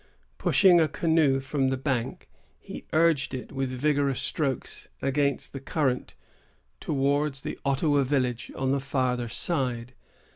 Pushing a canoe from the bank, he urged it with vigorous strokes, against the current, towards the Ottawa village, on the farther side.